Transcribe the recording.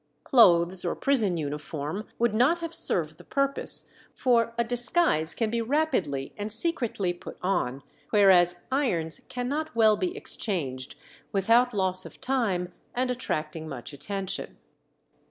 Clothes or prison uniform would not have served the purpose, for a disguise can be rapidly and secretly put on, whereas irons cannot well be exchanged without loss of time and attracting much attention.